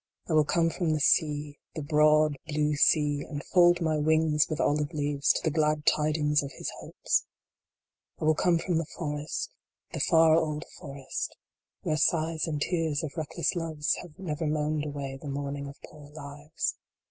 I will come from the sea the broad blue sea and fold my wings with olive leaves to the glad tidings of his hopes ! I will come from the forest the far old forest where sighs and tears of reckless loves have never moaned away the morning of poor lives.